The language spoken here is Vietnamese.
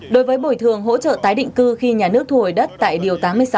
đối với bồi thường hỗ trợ tái định cư khi nhà nước thu hồi đất tại điều tám mươi sáu